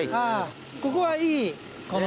ここはいいこの。